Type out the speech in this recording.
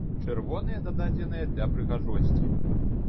Чырвоныя дададзеныя для прыгажосці.